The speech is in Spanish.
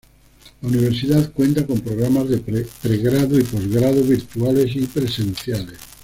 La Universidad cuenta con programas de Pregrado y Postgrado virtuales y presenciales.